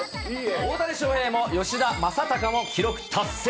大谷翔平も、吉田正尚も記録達成。